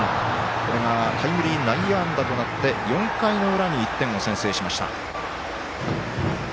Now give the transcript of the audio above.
これがタイムリー内野安打となって４回の裏に１点を先制しました。